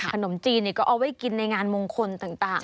ขนมจีนก็เอาไว้กินในงานมงคลต่าง